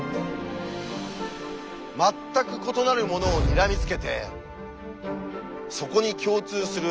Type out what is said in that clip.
全く異なるものをにらみつけてそこに共通する